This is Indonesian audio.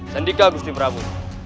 sendika gusti prabu